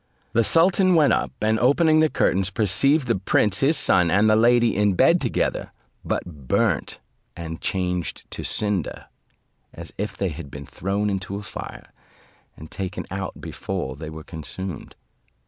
The sultan went up, and opening the curtains, perceived the prince his son and the lady in bed together, but burnt and changed to cinder, as if they had been thrown into a fire, and taken out before they were consumed.